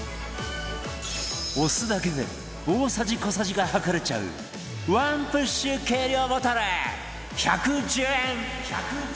押すだけで大さじ小さじが計れちゃうワンプッシュ計量ボトル１１０円